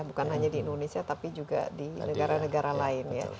bukan hanya di indonesia tapi juga di negara negara lain ya